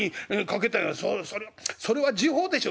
『それは時報でしょ！